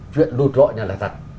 chuyện lụt lội là thật